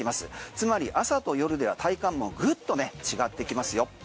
つまり朝と夜では体感もグッと違ってきますよ。